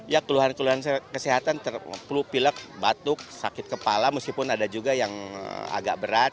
ya keluhan keluhan kesehatan terpelu pilek batuk sakit kepala meskipun ada juga yang agak berat